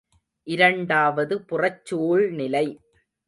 இரண்டாவது புறச் சூழ்நிலை.